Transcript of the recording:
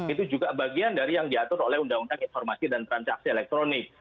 itu juga bagian dari yang diatur oleh undang undang informasi dan transaksi elektronik